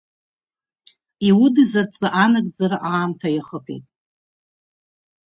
Иудыз адҵа анагӡара аамҭа иахыԥеит!